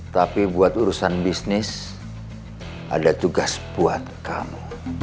tapi buat urusan bisnis ada tugas buat kamu